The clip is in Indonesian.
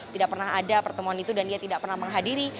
tidak pernah ada pertemuan itu dan dia tidak pernah menghadiri